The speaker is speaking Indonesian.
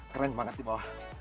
keren banget di bawah